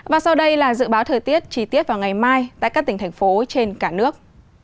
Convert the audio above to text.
và sau đây là dự báo thời tiết chi tiết vào ngày mai tại các tỉnh thành phố trên cả nước